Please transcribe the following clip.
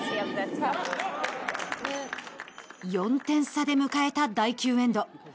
４点差で迎えた第９エンド。